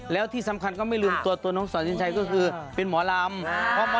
แล้วที่สำคัญก็ไม่ลืมตัวตัวน้องสอนสินชัยก็คือเป็นหมอลำ